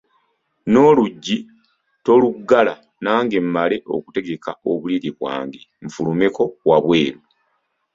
N’oluggi toluggala nange mmale okutegeka obuliri bwange nfulumeko wabweru.